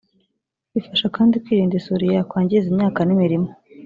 Bifasha kandi kwirinda isuri yakwangiza imyaka n’imirima